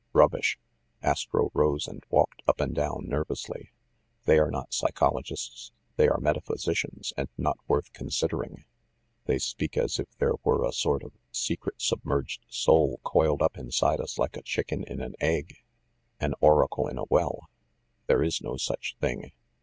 "Rubbish!" Astro rose and walked up and down nervously. "They are not psychologists ; they are 165 166 THE MASTER OF MYSTERIES metaphysicians, and not worth considering. They speak as if there were a sort of secret submerged soul coiled up inside us like a chicken in an egg. An oracle in a well ! There is no such thing.